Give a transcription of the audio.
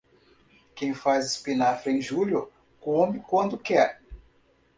Quem faz espinafre em julho, come quando quer.